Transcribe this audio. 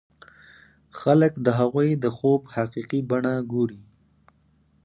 خلک د هغوی د خوب حقيقي بڼه ګوري.